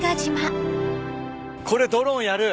これドローンやる？